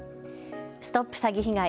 ＳＴＯＰ詐欺被害！